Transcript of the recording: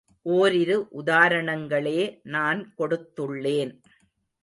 ஓரிரு உதாரணங்களே நான் கொடுத்துள்ளேன்.